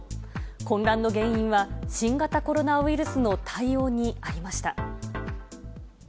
混乱の原因は新型コロナウイルスの対応にありました。